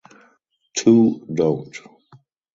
Two don’t.